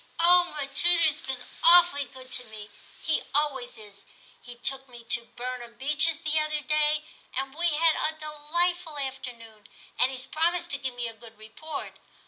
*0h! m' tutor's been awfully good to me ; he always is ; he took me to Burnham Beeches the other day, and we had a delightful afternoon, and he*s promised to give me a good report.